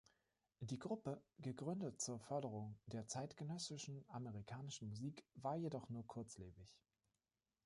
Die Gruppe, gegründet zur Förderung der zeitgenössischen amerikanischen Musik, war jedoch nur kurzlebig.